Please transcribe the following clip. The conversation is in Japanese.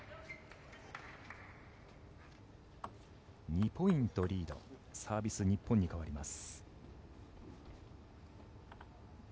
２ポイントリードサービス、日本に変わります。